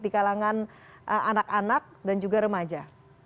di kalangan anak anak dan juga remaja